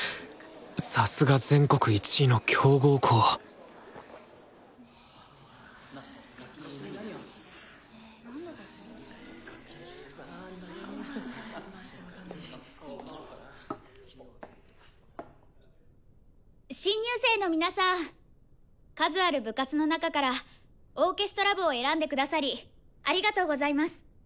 さすが全国１位の強豪校新入生の皆さん数ある部活の中からオーケストラ部を選んでくださりありがとうございます。